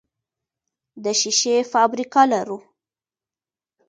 د شیشې فابریکه لرو؟